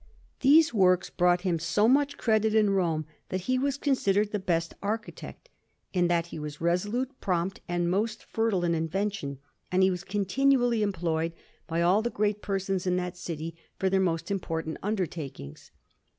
These works brought him so much credit in Rome, that he was considered the best architect, in that he was resolute, prompt, and most fertile in invention; and he was continually employed by all the great persons in that city for their most important undertakings.